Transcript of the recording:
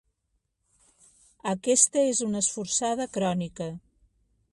Aquesta és una esforçada crònica.